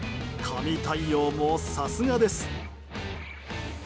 神対応も、さすがです。